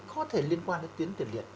có thể liên quan đến tuyến tiền liệt